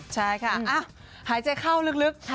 ใช่ค่ะหายใจเข้าลึก